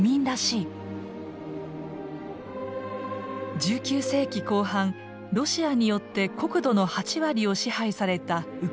１９世紀後半ロシアによって国土の８割を支配されたウクライナ。